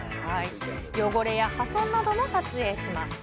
汚れや破損なども撮影します。